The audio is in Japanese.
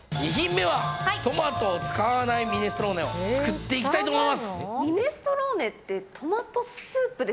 ２品目はトマトを使わないミネストローネを作っていきます。